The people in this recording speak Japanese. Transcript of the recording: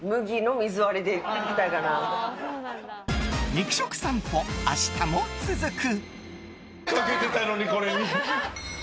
肉食さんぽ、明日も続く！